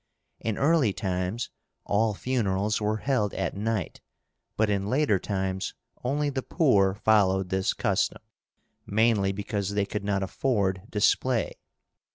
In early times all funerals were held at night; but in later times only the poor followed this custom, mainly because they could not afford display.